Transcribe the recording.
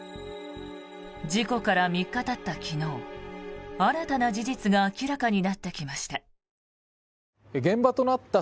事故から３日たった昨日新たな事実が明らかになってきました。